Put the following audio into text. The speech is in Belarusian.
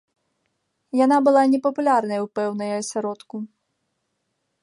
Яна была непапулярнай у пэўныя асяродку.